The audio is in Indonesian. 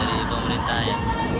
dari pemerintah ya